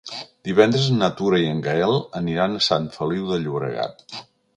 Divendres na Tura i en Gaël aniran a Sant Feliu de Llobregat.